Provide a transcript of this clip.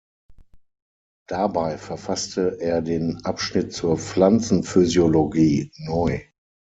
Dabei verfasste er den Abschnitt zur Pflanzenphysiologie neu.